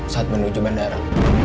saat menuju bandara